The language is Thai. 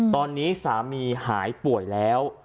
ตอนนี้สามีหายป่วยแล้ว